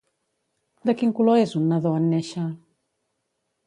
De quin color és un nadó en néixer?